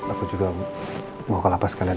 aku juga mau ke lapas kalian